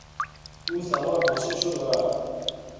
او سوار ماشین شد و رفت.